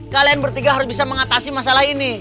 kalian bertiga harus bisa mengatasi masalah ini